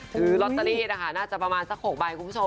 ถือลอตเตอรี่นะคะน่าจะประมาณสัก๖ใบคุณผู้ชม